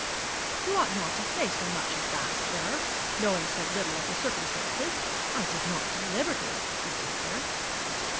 'You ought not to say so much as that, sir, knowing so little of the circumstances. I did not deliberately deceive her.'